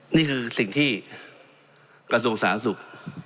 นี่คือสิ่งที่กระทรวงสาธารณสุข